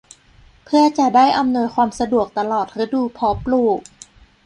เพื่อจะได้อำนวยความสะดวกตลอดฤดูเพาะปลูก